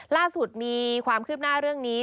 ล่าสุดมีความคืบหน้าเรื่องนี้